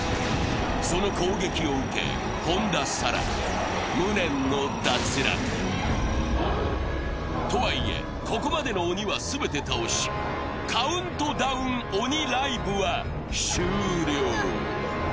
その攻撃を受け、本田紗来、無念の脱落。とはいえ、ここまでの鬼は全て倒しカウントダウン鬼ライブは終了。